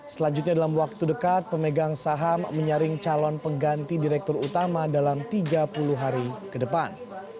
selanjutnya dalam waktu dekat pemegang saham menyaring calon pengganti direktur utama dalam tiga puluh hari ke depan